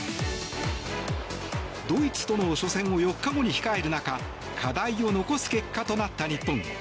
ドイツとの初戦を４日後に控える中課題を残す結果となった日本。